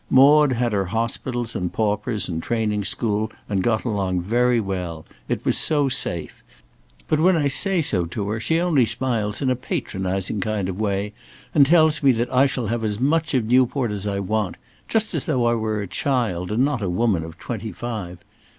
Maude had her hospitals and paupers and training school, and got along very well. It was so safe. But when I say so to her, she only smiles in a patronising kind of way, and tells me that I shall have as much of Newport as I want; just as though I were a child, and not a woman of twenty five.